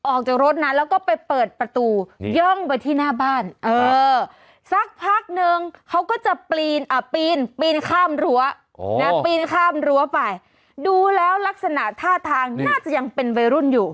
ออกจากรถนะแล้วก็ไปเปิดประตูย่องไปที่หน้าบ้านสักพักนึงเขาก็จะปีนปีนข้ามรั้วปีนข้ามรั้วไปดูแล้วลักษณะท่าทางน่าจะยังเป็นวัยรุ่นอยู่